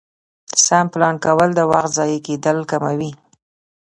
سم پلان کول د وخت ضایع کېدل کموي